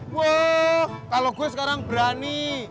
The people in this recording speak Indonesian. wah kalau gue sekarang berani